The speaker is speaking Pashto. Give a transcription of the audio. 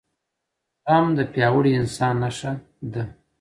زغم دپیاوړي انسان نښه ده